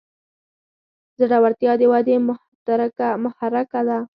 زړورتیا د ودې محرکه ده.